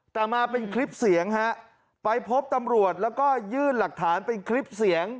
แต่มาเป็นคลิปเสียงฮะไปพบตำรวจแล้วก็ยื่นหลักฐานเป็นคลิปเสียง